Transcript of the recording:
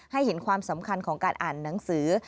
ให้เห็นความสำคัญของการอ่านหนังสือ